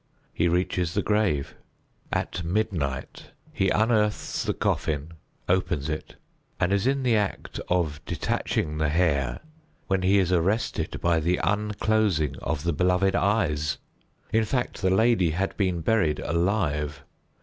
He reaches the grave. At midnight he unearths the coffin, opens it, and is in the act of detaching the hair, when he is arrested by the unclosing of the beloved eyes. In fact, the lady had been buried alive.